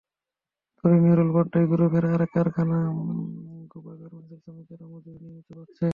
তবে মেরুল বাড্ডায় গ্রুপের আরেক কারখানা তোবা গার্মেন্টসের শ্রমিকেরা মজুরি নিয়মিত পাচ্ছেন।